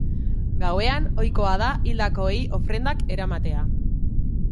Gauean, ohikoa da hildakoei ofrendak eramatea.